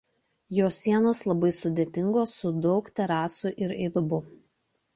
Jo sienos labai sudėtingos su daug terasų ir įdubų.